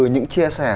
những chia sẻ